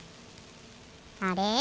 あれ？